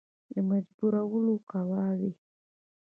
د مجبورولو قواوي.